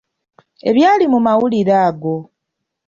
Ebyali mu mawulire ago.